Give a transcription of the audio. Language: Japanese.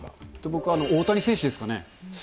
僕は大谷選手ですかね。